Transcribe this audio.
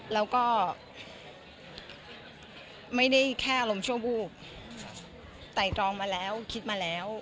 แล้วก็ไม่ได้แค่อารมณ์ชั่ววูบไต่ตรองมาแล้วคิดมาแล้ว